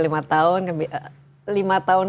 lima tahun lima tahun